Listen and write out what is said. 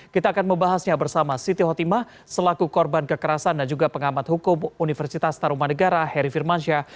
kita akan membahasnya bersama siti hotimah selaku korban kekerasan dan juga pengamat hukum universitas taruman negara heri firmansyah